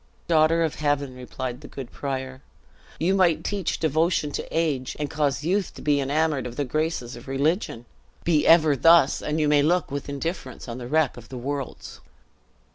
"Daughter of heaven," replied the good prior, "you might teach devotion to age, and cause youth to be enamored of the graces of religion! Be ever thus, and you may look with indifference on the wreck of worlds."